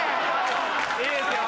いいですよ。